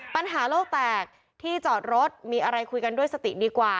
ปัญหาโลกแตกที่จอดรถมีอะไรคุยกันด้วยสติดีกว่า